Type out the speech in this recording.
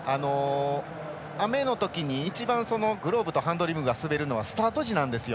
雨のときに一番グローブとハンドリングが滑るのはスタート時なんですよ。